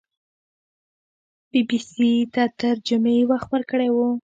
بي بي سي ته تر جمعې وخت ورکړی وو